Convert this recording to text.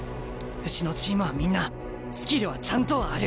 うちのチームはみんなスキルはちゃんとある。